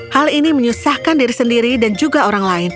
hal ini menyusahkan diri sendiri dan juga orang lain